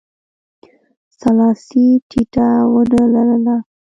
سلاسي ټیټه ونه لرله.